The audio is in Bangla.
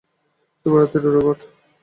শুভরাত্রি, রোবট।